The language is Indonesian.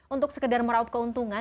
untuk sekedar meraup keuntungan